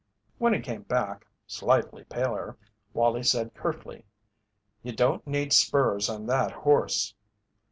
When he came back, slightly paler, Wallie said curtly: "You don't need spurs on that horse."